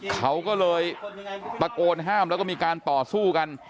เขาก็เลยตะโกนห้ามแล้วก็มีการต่อสู้กัน